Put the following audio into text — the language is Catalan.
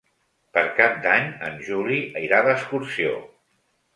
Per Cap d'Any en Juli irà d'excursió.